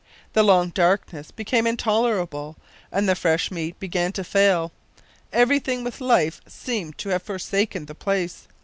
The long darkness became intolerable and the fresh meat began to fail. Everything with life seemed to have forsaken the place.